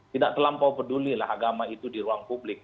tidak terlampau pedulilah agama itu di ruang publik